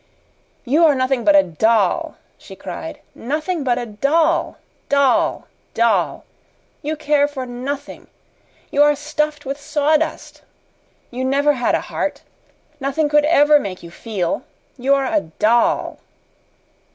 "You are nothing but a DOLL!" she cried. "Nothing but a doll doll doll! You care for nothing. You are stuffed with sawdust. You never had a heart. Nothing could ever make you feel. You are a DOLL!"